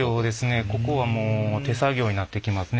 ここはもう手作業になってきますね